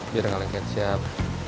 biar ngaleng kecap